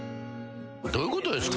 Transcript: どういうことですか？